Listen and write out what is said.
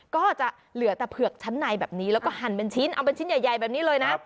ก็จะเหลือแต่เผือกชั้นในแบบนี้แล้วก็หั่นเป็นชิ้นเอาเป็นชิ้นใหญ่แบบนี้เลยนะ